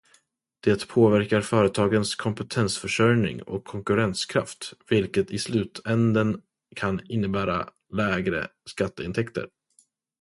Det påverkar företagens kompetensförsörjning och konkurrenskraft, vilket i slutänden kan innebära lägre skatteintäkter.